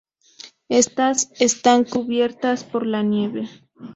Estas están cubiertas por la nieve.